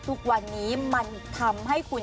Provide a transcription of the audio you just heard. ทุกวันนี้มันทำให้คุณ